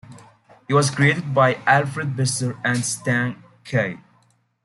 He was created by Alfred Bester and Stan Kaye.